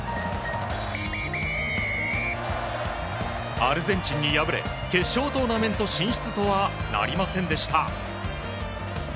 アルゼンチンに敗れ決勝トーナメント進出とはなりませんでした。